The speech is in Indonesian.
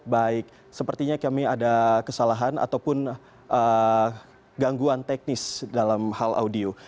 baik sepertinya kami ada kesalahan ataupun gangguan teknis dalam hal audio